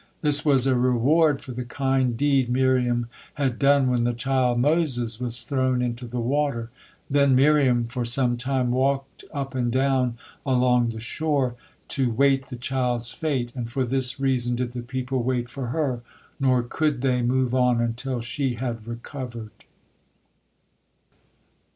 This was a reward for the kind deed Miriam had done when the child Moses was thrown into the water. Then Miriam for some time walked up and down along the shore to wait the child's fate, and for this reason did the people wait for her, nor could they move on until she had recovered.